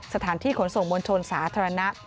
สถานที่ขนส่งมวลชนสาธารณะ